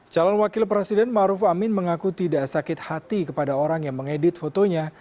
calon wakil presiden maruf amin mengaku tidak sakit hati kepada orang yang mengedit fotonya